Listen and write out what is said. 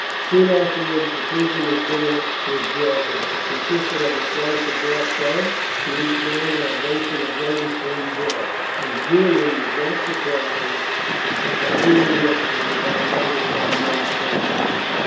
Soon afterwards the prisoners' dinner was brought in. It consisted of a slice of black bread to each man and a basin of very thin broth, and Julian was not surprised at the hungry look that he had noticed on the men's faces.